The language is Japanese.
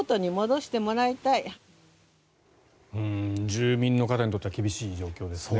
住民の方にとっては厳しい状況ですね。